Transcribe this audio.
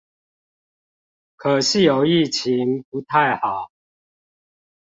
可是有疫情不太好